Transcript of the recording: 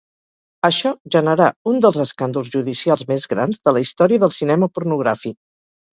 Això generà un dels escàndols judicials més grans de la història del cinema pornogràfic.